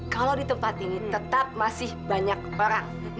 kalau di tempat ini tetap masih banyak orang